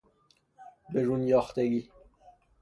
برون یاختگی